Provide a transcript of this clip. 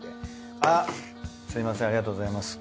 あっすみませんありがとうございます。